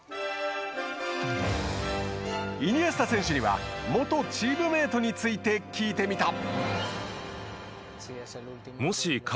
イニエスタ選手には元チームメートについて聞いてみた。